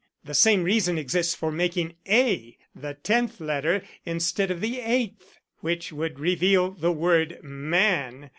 The same reason exists for making A the tenth letter instead of the eighth; which would reveal the word 'man.'